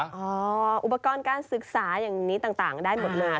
อุปกรณ์การศึกษาอย่างนี้ต่างได้หมดเลย